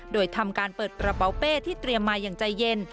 โดยทำการเปิดกระเป๋าเป้ที่เตรียมมาอย่างใจเย็น